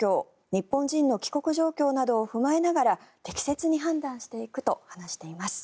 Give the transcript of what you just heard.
日本人の帰国状況などを踏まえながら適切に判断していくと話しています。